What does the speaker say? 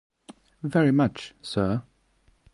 Very much, sir.